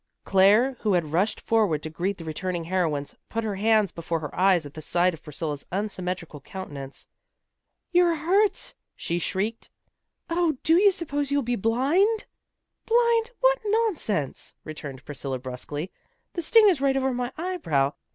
Claire, who had rushed forward to greet the returning heroines, put her hands before her eyes at the sight of Priscilla's unsymmetrical countenance. "You're hurt," she shrieked. "Oh, do you suppose you'll be blind?" "Blind! What nonsense," returned Priscilla brusquely. "The sting is right over my eyebrow."